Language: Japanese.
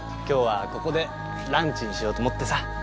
今日はここでランチにしようと思ってさ。